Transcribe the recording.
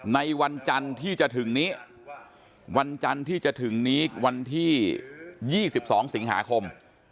ในวันจันทร์ที่จะถึงนี้วันที่๒๒สิงหาคม